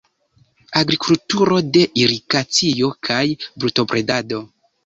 Agrikulturo de irigacio kaj brutobredado.